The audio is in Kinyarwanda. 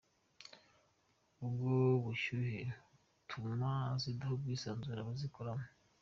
Ubwo bushyuhe butuma zidaha ubwisanzure abazikoreramo.